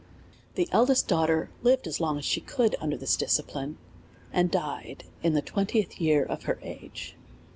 The eldest daughter lived as long as she could un der this discipline, and died in the twentieth year of her age.